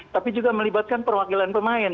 tapi juga melibatkan perwakilan pemain